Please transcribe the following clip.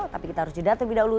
tapi kita harus datang dulu